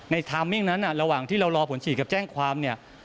ไทมมิ่งนั้นระหว่างที่เรารอผลฉีดกับแจ้งความเนี่ย